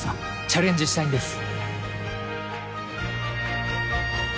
チャレンジしたいんです